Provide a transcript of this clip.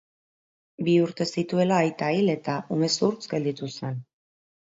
Bi urte zituela aita hil eta umezurtz gelditu zen.